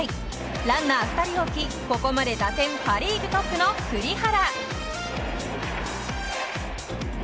ランナー２人を置き、ここまで打点パ・リーグトップの栗原。